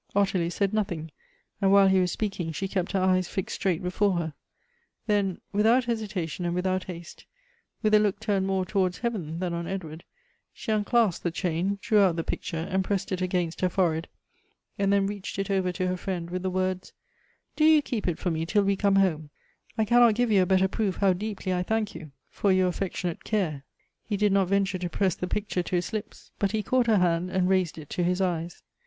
Elective Affinities. 65 Ottilie said nothing, and wliile he was speaking she kept her eyes fixed straight before her; then, without hesitation and without haste, with a look turned more towards heaven than on Edward, she unclasped the chain, drew out the picture, and pressed it against Iier forehead, and then reached it over to her friend, with the words :" Do you keep it for me tUl we come home ; I cannot give you a better proof how deeply I thank you for your affectionate care." He did not venture to press the picture to his lips; but he caught her hand and raised it to his eyes.